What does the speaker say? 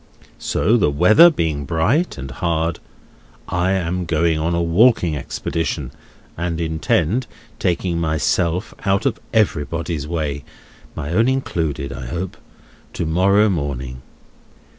So, the weather being bright and hard, I am going on a walking expedition, and intend taking myself out of everybody's way (my own included, I hope) to morrow morning."